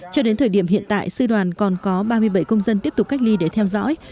cho đến thời điểm hiện tại sư đoàn còn có ba mươi bảy công dân tiếp tục cách ly để theo dõi